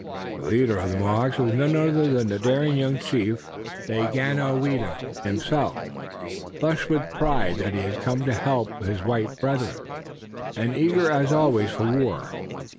The leader of the Mohawks was none other than the daring young chief, Daganoweda himself, flushed with pride that he had come to the help of his white brethren, and eager as always for war.